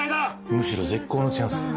むしろ絶好のチャンスだ